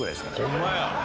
ホンマや！